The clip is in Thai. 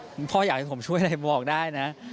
พ่ออยากให้ผมช่วยอะไรบอกได้นะ